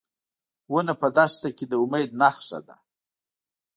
ونه په دښته کې د امید نښه ده.